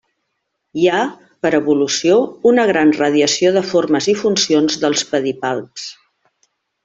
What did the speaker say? Hi ha, per evolució, una gran radiació de formes i funcions dels pedipalps.